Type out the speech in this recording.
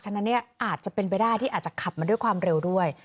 ฉะนั้นเนี่ยอาจจะเป็นไปได้ที่อาจจะขับมาด้วยความเร็วด้วย